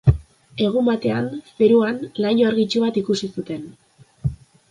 Egun batean, zeruan, laino argitsu bat ikusi zuten.